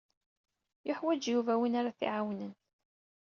Yuḥwaǧ Yuba win ara t-iɛawnen.